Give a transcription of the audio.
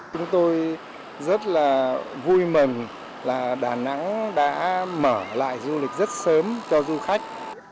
chúng tôi rất là vui mừng là đà nẵng đã mở lại du lịch rất sớm cho du khách